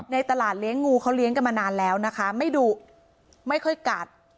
ในตลาดเลี้ยงงูเขาเลี้ยงกันมานานแล้วนะคะไม่ดุไม่ค่อยกัด